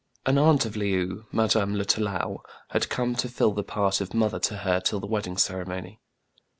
An aunt of Le ou, Madame Lutalou, had come to fill the part of mother to her till the wedding ceremony.